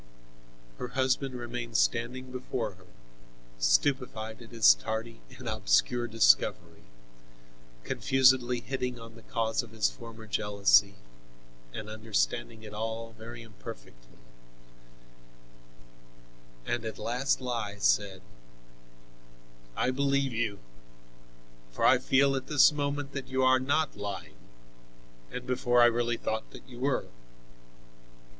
Her husband remained standing before her, stupefied at his tardy and obscure discovery, confusedly hitting on the cause of his former jealousy and understanding it all very imperfectly, and at last he said: "I believe you, for I feel at this moment that you are not lying, and before I really thought that you were."